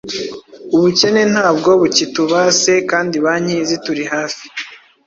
Ubukene ntabwo bukitubase kandi banki zituri hafi,